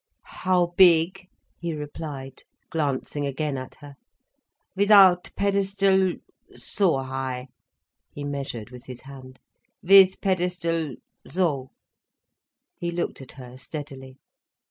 "How big?" he replied, glancing again at her. "Without pedestal—so high—" he measured with his hand—"with pedestal, so—" He looked at her steadily.